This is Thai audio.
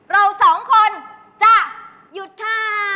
เราสองคนจะหยุดค่ะ